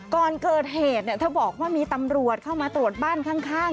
ก่อนเกิดเหตุเธอบอกว่ามีตำรวจเข้ามาตรวจบ้านข้าง